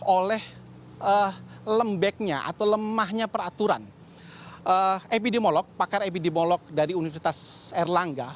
oleh lembeknya atau lemahnya peraturan epidemiolog pakar epidemiolog dari universitas erlangga